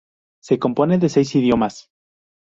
Se compone de seis idiomas.